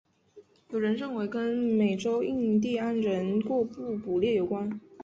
有人认为跟美洲印第安人过度捕猎有关。